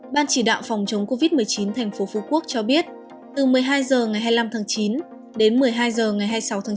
ban chỉ đạo phòng chống covid một mươi chín tp hcm cho biết từ một mươi hai h ngày hai mươi năm tháng chín đến một mươi hai h ngày hai mươi sáu tháng chín